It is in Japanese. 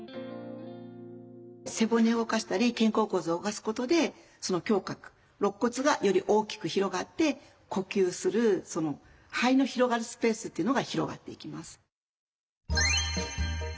背骨を動かしたり肩甲骨を動かすことで胸郭肋骨がより大きく広がって呼吸する肺の広がるスペースというのが広がっていきます。